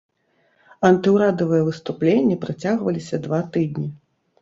Антыўрадавыя выступленні працягваліся два тыдні.